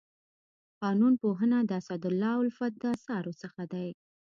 قانون پوهنه د اسدالله الفت د اثارو څخه دی.